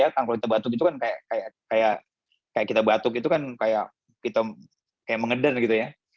kalau kita batuk itu kan kayak kita batuk itu kan kayak kita kayak mengeden gitu ya